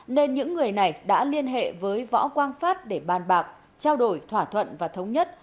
nên những người này đã liên hệ với võ quang phát để bàn bạc trao đổi thỏa thuận và thống nhất